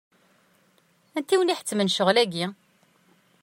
Anti i wen-iḥettmen ccɣel-agi?